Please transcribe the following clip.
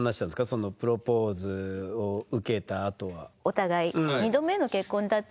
そのプロポーズを受けたあとは。